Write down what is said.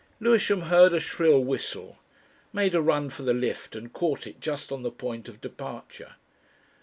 Lewisham heard a shrill whistle, made a run for the lift and caught it just on the point of departure.